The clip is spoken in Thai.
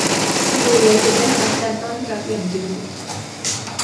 ซีเลียจะได้รับการต้อนรับอย่างดี